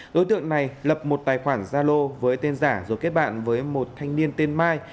đối tượng này lập một tài khoản zalo với tên giả rồi kết bạn với một thanh niên tên mai